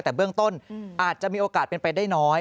แต่เบื้องต้นอาจจะมีโอกาสเป็นไปได้น้อย